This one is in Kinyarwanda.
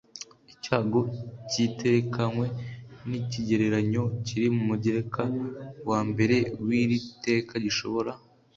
icyago kiterekanywe n ikigereranyo kiri mu mugereka wa mbere w iri teka gishobora